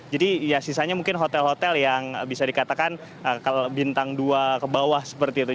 jadi ya sisanya mungkin hotel hotel yang bisa dikatakan bintang dua ke bawah seperti itu